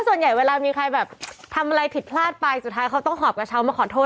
ส่วนใหญ่เวลามีใครแบบทำอะไรผิดพลาดไปสุดท้ายเขาต้องหอบกระเช้ามาขอโทษ